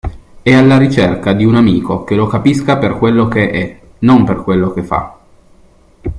È alla ricerca di un amico che lo capisca per quello che è, non per quello che fa.